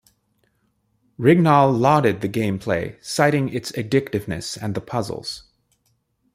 Rignall lauded the gameplay, citing its addictiveness and the puzzles.